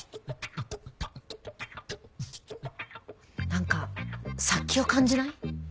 なんか殺気を感じない？